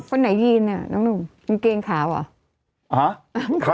คนไหนยีนเนี่ยน้องหนูเกงขาวอ่ะ